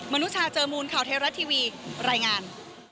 นุชาเจอมูลข่าวเทราะทีวีรายงาน